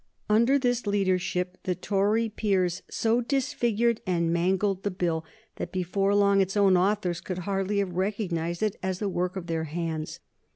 Under this leadership the Tory peers so disfigured and mangled the Bill that before long its own authors could hardly have recognized it as the work of their hands.